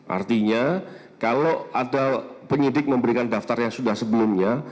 artinya kalau ada penyidik memberikan daftar yang sudah sebelumnya